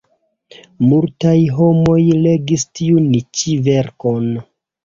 Multaj homoj legis tiun ĉi verkon.